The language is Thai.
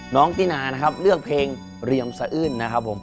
ตินานะครับเลือกเพลงเรียมสะอื้นนะครับผม